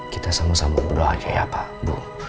kita sama sama berdoa aja ya pak